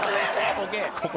ボケ！